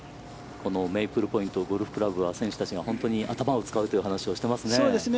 このメイプルポイントゴルフクラブは選手たちが本当に頭を使うという話をしていますね。